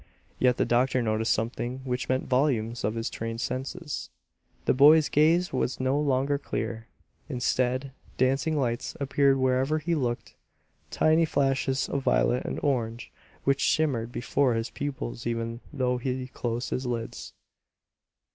Yet the doctor noticed something which meant volumes to his trained senses. The boy's gaze was no longer clear. Instead, dancing lights appeared wherever he looked; tiny flashes of violet and orange, which shimmered before his pupils even though he closed his lids.